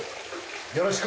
よろしく。